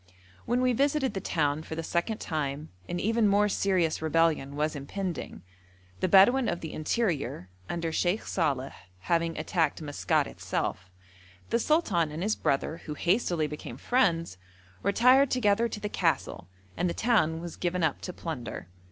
When we visited the town for the second time an even more serious rebellion was impending, the Bedouin of the interior, under Sheikh Saleh, having attacked Maskat itself. The sultan and his brother, who hastily became friends, retired together to the castle, and the town was given up to plunder.